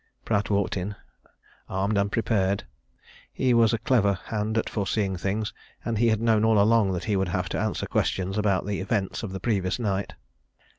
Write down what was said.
Pratt walked in armed and prepared. He was a clever hand at foreseeing things, and he had known all along that he would have to answer questions about the event of the previous night.